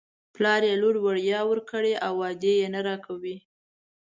پلار یې لور وړيا ورکړې او دی یې نه راکوي.